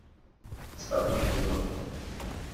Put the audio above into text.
Status Minor.